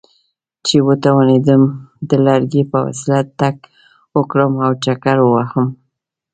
چې وتوانېدم د لرګي په وسیله تګ وکړم او چکر ووهم.